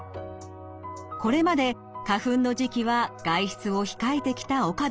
これまで花粉の時期は外出を控えてきた岡部さん。